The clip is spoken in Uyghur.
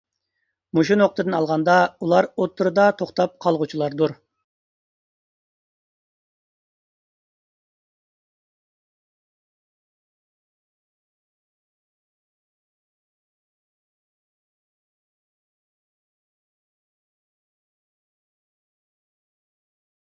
مۇشۇ نۇقتىدىن ئالغاندا، ئۇلار ئوتتۇرىدا توختاپ قالغۇچىلاردۇر.